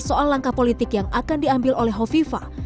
soal langkah politik yang akan diambil oleh hovifah